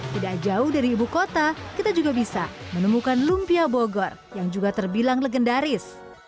tidak jauh dari ibu kota kita juga bisa menemukan lumpia bogor yang juga terbilang legendaris